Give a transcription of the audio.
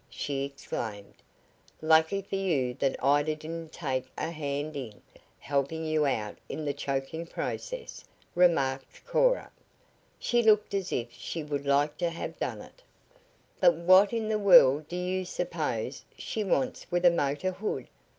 she exclaimed. "Lucky for you that Ida didn't take a hand in, helping you out in the choking process," remarked Cora. "She looked as if she would like to have done it." "But what in the world do you suppose she wants with a motor hood?"